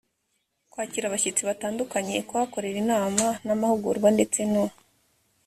kwakira abashyitsi batandukanye kuhakorera inama n amahugurwa ndetse no